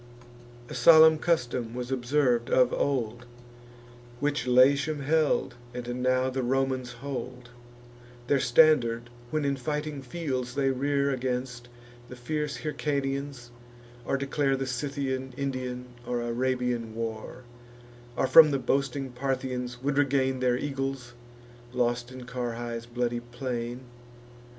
A solemn custom was observ'd of old, Which Latium held, and now the Romans hold, Their standard when in fighting fields they rear Against the fierce Hyrcanians, or declare The Scythian, Indian, or Arabian war; Or from the boasting Parthians would regain Their eagles, lost in Carrhae's bloody plain.